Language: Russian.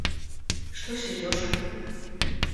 Что Сережа?